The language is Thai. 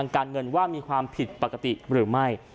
การเงินว่ามีความผิดปกติหรือไม่